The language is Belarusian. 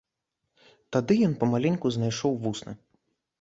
Тады ён памаленьку знайшоў вусны.